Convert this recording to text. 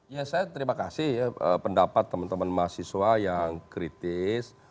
ya saya terima kasih ya pendapat teman teman mahasiswa yang kritis